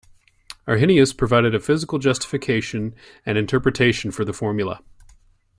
Arrhenius provided a physical justification and interpretation for the formula.